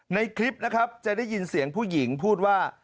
ในคลิปนะครับจะได้ยินเสียงผู้หญิงพูดว่า